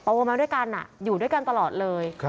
โตมาด้วยกันอยู่ด้วยกันตลอดเลย